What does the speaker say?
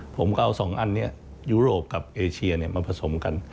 ผมก็เอา๒อันนี้ยุโรปกับเอเชียมาผสมกัน